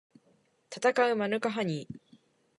たたかうマヌカハニー